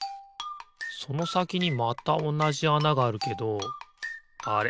そのさきにまたおなじあながあるけどあれ？